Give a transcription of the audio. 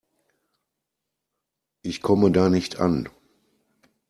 Ich komme da nicht an.